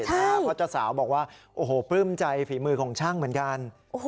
เพราะเจ้าสาวบอกว่าโอ้โหปลื้มใจฝีมือของช่างเหมือนกัน